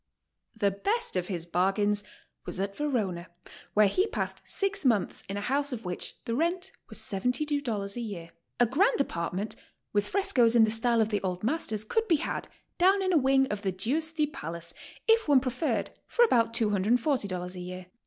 The best of his bargains was at Verona, where he passed six months in a house of which the rent was $72 a year. "A grand apartment, with frescoes in the style of the old masters, could be had, down in a wing of the Giusfi palace, if one pre ferred, for about $240 a year.